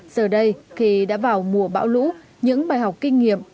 giờ đây khi đã vào mùa bão lũ những bài học kinh nghiệm